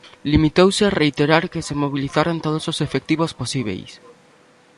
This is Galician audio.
Limitouse a reiterar que se mobilizaran todos os efectivos posíbeis.